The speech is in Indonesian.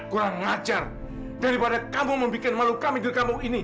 udah cukup kamu bikin malu ibu